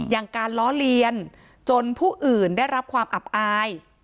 อย่างการล้อเลียนจนผู้อื่นได้รับความอับอาย